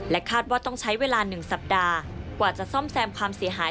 คาดว่าต้องใช้เวลา๑สัปดาห์กว่าจะซ่อมแซมความเสียหาย